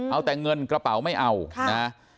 เอาแต่เงินกระเป๋าไม่เอานะ